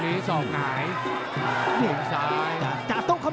ติดตามยังน้อยกว่า